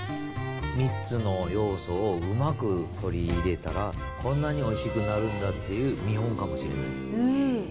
３つの要素をうまく取り入れたら、こんなにおいしくなるんだという見本かもしれない。